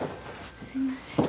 すいません。